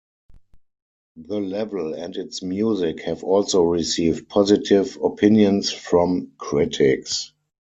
The level and its music have also received positive opinions from critics.